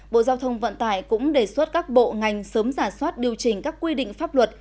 bộ giao thông vận tải cũng đề xuất các bộ ngành sớm giả soát điều chỉnh các quy định pháp luật